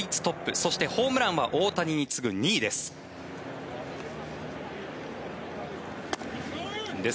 そして、ホームランは大谷に次ぐ２位です。